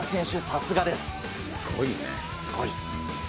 すごいです。